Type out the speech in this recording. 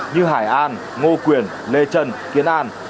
như hải an ngô quyền lê trần kiến an